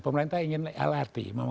pemerintah ingin lrt